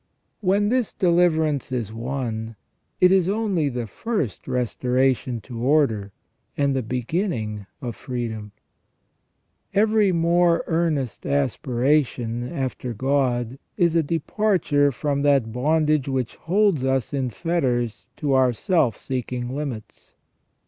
When this deliverance is won, FROM THE BEGINNING TO THE END OF MAN. 397 it is only the first restoration to order, and the beginning of freedom. Every more earnest aspiration after God is a departure from that bondage which holds us in fetters to our self seeking limits.